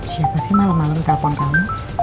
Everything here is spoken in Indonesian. siapa sih malam malam telpon kamu